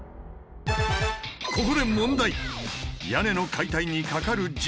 ここで問題。